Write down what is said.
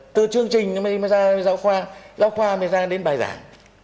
từ chương trình mới ra giáo khoa giáo khoa mới ra đến bài giảng